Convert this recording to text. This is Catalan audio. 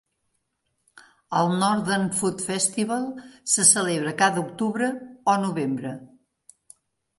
El Northern Food Festival se celebra cada octubre o novembre.